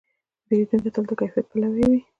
پیرودونکی تل د کیفیت پلوي وي.